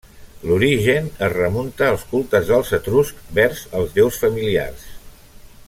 L'origen es remunta als cultes dels etruscs vers els déus familiars.